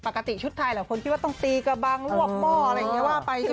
ปกติชุดไทยหลายคนคิดว่าต้องตีกระบังลวกหม้ออะไรอย่างนี้ว่าไปใช่ไหม